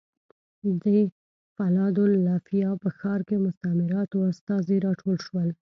د فلادلفیا په ښار کې مستعمراتو استازي راټول شول.